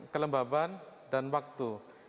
kelembaban dan waktu